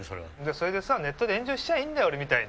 それでさネットで炎上しちゃーいいんだよ俺みたいに！